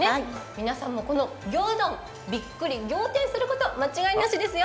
皆さんもこの魚うどん、びっくり仰天すること間違いなしですよ。